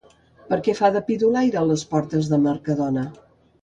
Per què fa de pidolaire a les portes del Mercadona?